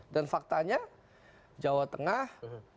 dan faktanya jawa tengah